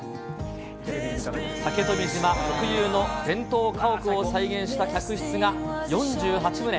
竹富島特有の伝統家屋を再現した客室が４８棟。